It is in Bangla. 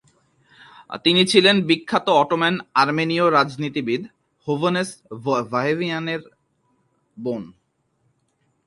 তিনি ছিলেন বিখ্যাত অটোমান আর্মেনীয় রাজনীতিবিদ হোভানেস ভাহানিয়ানের বোন।